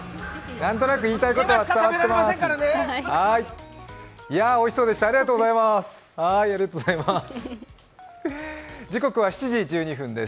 何となく言いたいことは伝わっています。